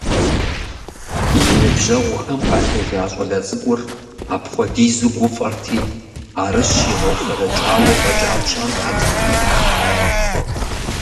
И ныбжьэгъухэм къатежа щӀалэ цӀыкӀур апхуэдизу гуфӀэрти, арыщ игъэуфэрэкӀауэ фӀэкӀа пщӀэнтэкъым.